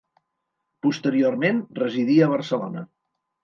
Posteriorment, residí a Barcelona.